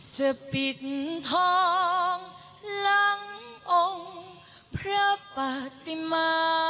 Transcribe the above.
จะปิดทองหลังองค์พระปฏิมา